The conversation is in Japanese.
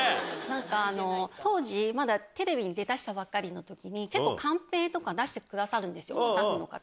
なんか、当時、まだテレビに出だしたばっかりのときに、結構カンペとか、出してくださるんですよ、スタッフの方。